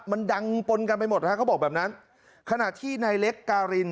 มันดังปนกันไปหมดฮะเขาบอกแบบนั้นขณะที่นายเล็กการิน